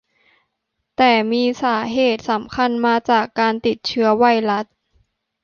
แต่มีสาเหตุสำคัญมาจากการติดเชื้อไวรัส